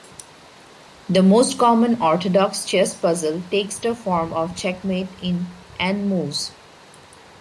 The most common orthodox chess puzzle takes the form of checkmate in "n" moves.